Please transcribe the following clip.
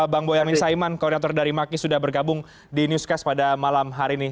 dan saiman koreator dari maki sudah bergabung di newscast pada malam hari ini